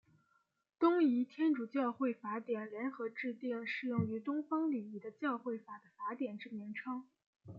东仪天主教会法典联合制定适用于东方礼仪的教会法的法典之名称。